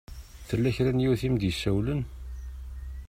Tella kra n yiwet i m-d-isawlen.